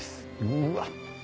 うわっ。